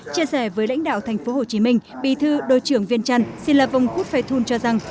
chia sẻ với lãnh đạo tp hcm bí thư đội trưởng viêng trăn xin lập vòng khúc phai thun cho rằng